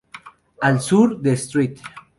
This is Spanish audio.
Al sur de St.